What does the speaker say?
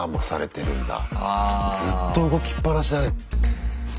ずっと動きっぱなしだね。